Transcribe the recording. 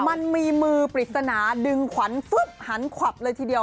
มันมีมือปริศนาดึงขวัญฟึ๊บหันขวับเลยทีเดียว